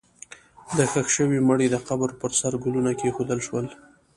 د ښخ شوي مړي د قبر پر سر ګلونه کېښودل شول.